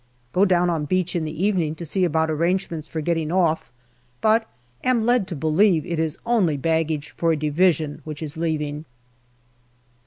Go down on beach in the evening to see about arrangements for getting off, but am led to believe it is only baggage for a Division which is leaving.